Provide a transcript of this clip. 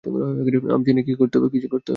আমি জানি কী করতে হবে।